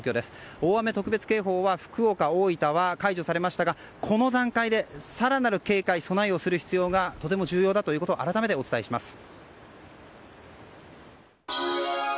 大雨特別警報は福岡、大分は解除されましたがこの段階で更なる警戒、備えをすることがとても重要だということを改めてお伝えします。